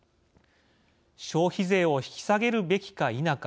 消費税を引き下げるべきか否か。